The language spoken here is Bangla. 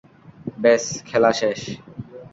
ব্যাস, খেলা শেষ।